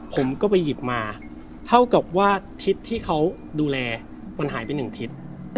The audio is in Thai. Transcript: ผมก็ไปหยิบมาเท่ากับว่าทิศที่เขาดูแลมันหายไปหนึ่งทิศ